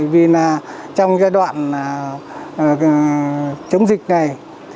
vì trong giai đoạn chống dịch này